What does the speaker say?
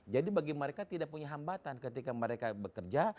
jadi bagi mereka tidak punya hambatan ketika mereka bekerja